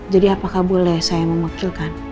jadi apakah boleh saya memakilkan